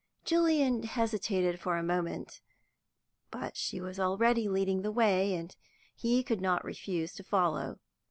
Julian hesitated for a moment, but she was already leading the way, and he could not refuse to follow.